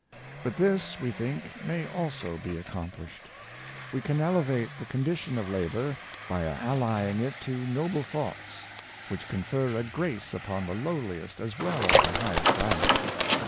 But this, we think, may also be accomplished. We can elevate the condition of labor by allying it to noble thoughts, which confer a grace upon the lowliest as well as the highest rank.